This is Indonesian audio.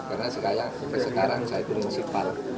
karena sekarang saya itu musipal